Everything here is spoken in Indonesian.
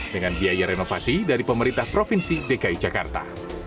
dengan biaya renovasi dari pemerintah provinsi dki jakarta